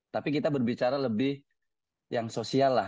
tapi kita berbicara lebih yang sosial lah